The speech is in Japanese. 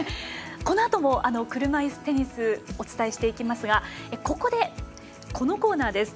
このあとも車いすテニスお伝えしていきますがここで、このコーナーです。